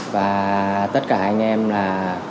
và tất cả anh em là